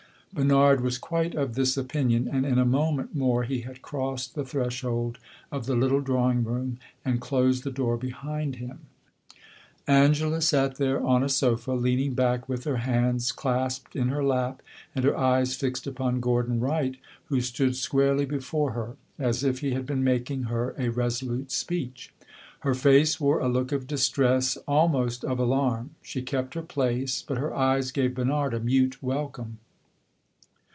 Bernard was quite of this opinion, and in a moment more he had crossed the threshold of the little drawing room and closed the door behind him. Angela sat there on a sofa, leaning back with her hands clasped in her lap and her eyes fixed upon Gordon Wright, who stood squarely before her, as if he had been making her a resolute speech. Her face wore a look of distress, almost of alarm; she kept her place, but her eyes gave Bernard a mute welcome.